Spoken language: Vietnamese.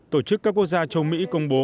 tổ chức các quốc gia châu mỹ công bố